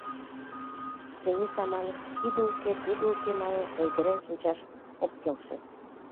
Тений саманыште тиде уке, тудо уке манын ойгырен шинчаш ок келше.